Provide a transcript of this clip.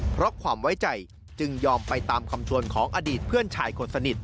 เพราะความไว้ใจจึงยอมไปตามคำชวนของอดีตเพื่อนชายคนสนิท